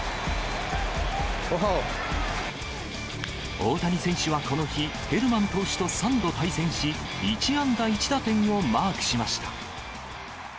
大谷選手はこの日、ヘルマン投手と３度対戦し、１安打１打点をマークしました。